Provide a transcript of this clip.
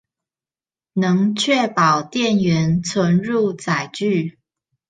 能確保店員存入載具